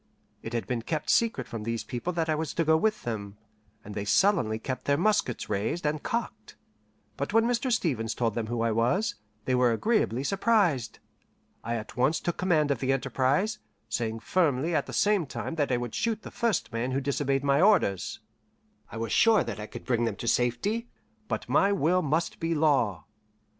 It had been kept secret from these people that I was to go with them, and they sullenly kept their muskets raised and cocked; but when Mr. Stevens told them who I was, they were agreeably surprised. I at once took command of the enterprise, saying firmly at the same time that I would shoot the first man who disobeyed my orders. I was sure that I could bring them to safety, but my will must be law.